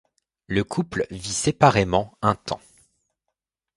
Le couple vit séparément un temps.